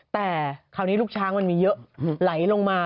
แต่คราวนี้ลูกช้างมันมีเยอะไหลลงมา